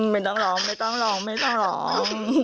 ไม่ต้องหรอกไม่ต้องหรอกไม่ต้องหรอก